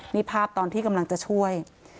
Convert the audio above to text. นี่ภาพตอนที่กำลังจะช่วย